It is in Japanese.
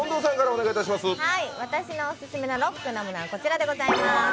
私のオススメのロックなものはこちらでございます。